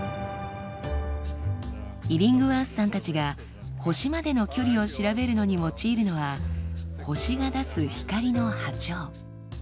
イリングワースさんたちが星までの距離を調べるのに用いるのは星が出す光の波長。